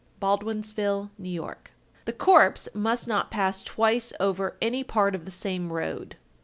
Baldwinsville, N.Y. 1254. The corpse must not pass twice over any part of the same road.